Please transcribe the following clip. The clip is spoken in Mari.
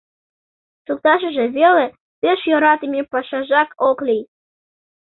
Шукташыже веле пеш йӧратыме пашажак ок лий.